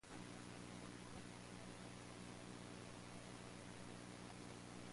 He was admitted to the Bar the same year.